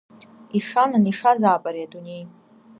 Ишанан ишазаап ари адунеи…